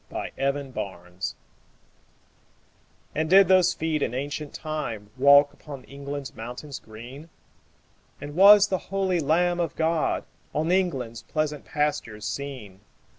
Y Z Jerusalem AND did those feet in ancient time Walk upon England's mountains green? And was the holy Lamb of God On England's pleasant pastures seen?